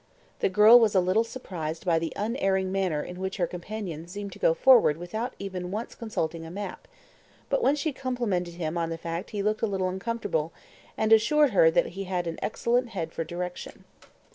The girl was a little surprised by the unerring manner in which her companion seemed to go forward without even once consulting a map; but when she complimented him on the fact he looked a little uncomfortable, and assured her that he had an excellent head for "direction."